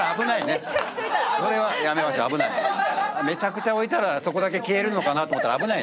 めちゃくちゃ置いたらそこだけ消えるのかなと思ったら危ないね